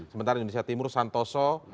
sementara indonesia timur santoso